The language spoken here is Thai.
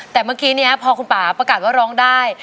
แต่เมื่อกี้นี้พอคุณป่าประกาศว่าร้องได้